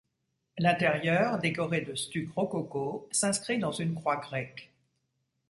L'intérieur, décoré de stucs rococo, s'inscrit dans une croix grecque.